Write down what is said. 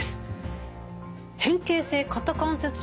では変形性肩関節症。